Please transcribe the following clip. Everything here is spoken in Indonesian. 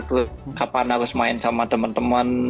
klub kapan harus main sama teman teman